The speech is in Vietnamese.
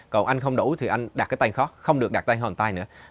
còn anh không đủ thì anh đặt cái tay khó không được đặt tay hồn tay nữa